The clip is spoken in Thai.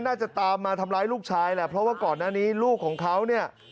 น่าจะตามมาทำร้ายลูกชายแหละเพราะว่าก่อนหน้านี้ลูกของเขาเนี่ย